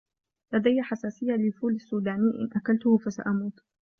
لديّ حساسيّة للفول السّوداني. إن أكلته، فسأموت.